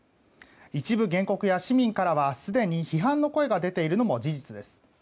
一部原告や市民からはすでに批判の声が出ているのも事実です。